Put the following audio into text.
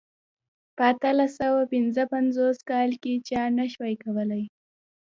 په اتلس سوه پنځه پنځوس کال کې چا نه شوای کولای.